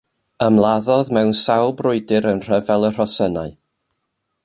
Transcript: Ymladdodd mewn sawl brwydr yn Rhyfel y Rhosynnau.